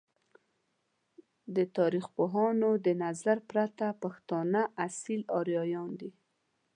د تاریخ پوهانو د نظر پرته ، پښتانه اصیل آریایان دی!